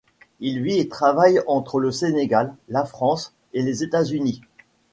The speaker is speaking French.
Il vit et travaille entre le Sénégal, la France et les États-Unis.